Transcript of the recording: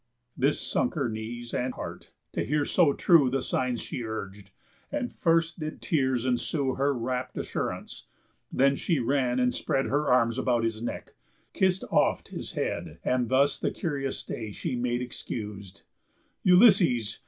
This sunk her knees and heart, to hear so true The signs she urg'd; and first did tears ensue Her rapt assurance; then she ran and spread Her arms about his neck, kiss'd oft his head, And thus the curious stay she made excus'd: "Ulysses!